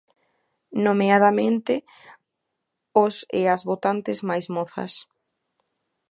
Nomeadamente, os e as votantes máis mozas.